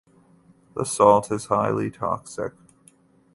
The salt is highly toxic.